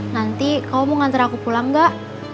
nanti kamu mau nganter aku pulang gak